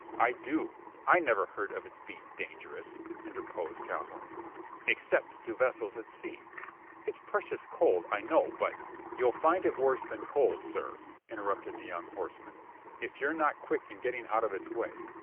"I do." "I never heard of its being dangerous," interposed Calhoun, "except to vessels at sea. It's precious cold, I know; but " "You'll find it worse than cold, sir," interrupted the young horseman, "if you're not quick in getting out of its way.